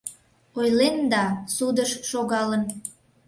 Ойлен да... судыш шогалын.